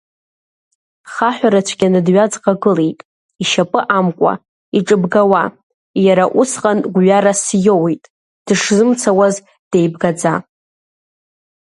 Хаҳәра цәгьаны дҩаӡӷагылеит, ишьапы амкуа, иҿыбгауа, иара усҟан гәҩарас иоуит, дышзымцауаз деибгаӡа.